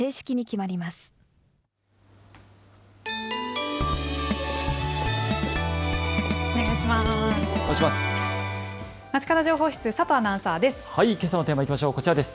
まちかど情報室、佐藤アナウンサーです。